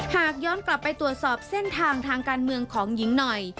หากย้อนกลับไปตรวจสอบเส้นทางทางการเมืองของหญิงหน่อย